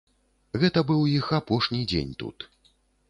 Гэта быў іх апошні дзень тут.